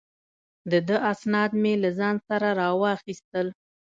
د ده اسناد مې له ځان سره را واخیستل.